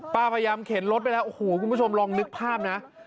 พยายามเข็นรถไปแล้วโอ้โหคุณผู้ชมลองนึกภาพนะ